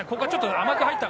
甘く入ったか？